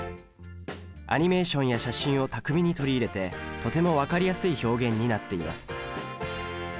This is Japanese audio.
アニメーションや写真を巧みに取り入れてとても分かりやすい表現になっています。